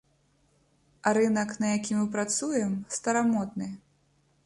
Рынак, на які мы працуем, старамодны.